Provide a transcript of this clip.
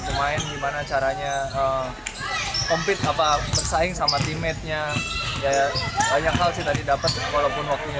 pemain gimana caranya compete apa bersaing sama timetnya banyak hal kita didapet walaupun waktunya